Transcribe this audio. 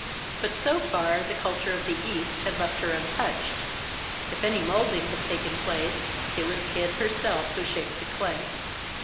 But so far, the culture of the East had left her untouched. If any molding had taken place, it was Kid herself who shaped the clay.